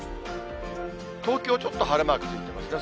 東京、ちょっと晴れマークついてますね。